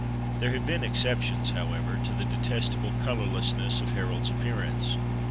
There have been exceptions, however, to the detestable colourlessness of Harold's appear ance.